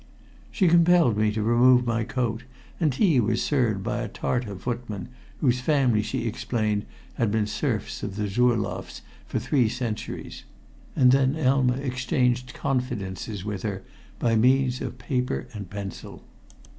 She compelled me to remove my coat, and tea was served by a Tartar footman, whose family she explained had been serfs of the Zurloffs for three centuries, and then Elma exchanged confidences with her by means of paper and pencil.